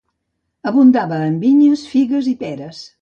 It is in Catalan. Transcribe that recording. Abundava en vinyes, figues i peres.